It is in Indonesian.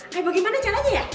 kayak bagaimana caranya ya